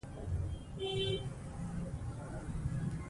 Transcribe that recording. ژورې سرچینې د افغانستان د اقلیم یوه مهمه طبیعي ځانګړتیا ده.